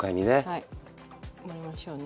はい盛りましょうね。